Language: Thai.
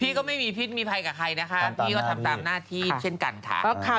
ก็ไม่มีพิษมีภัยกับใครนะคะพี่ก็ทำตามหน้าที่เช่นกันค่ะ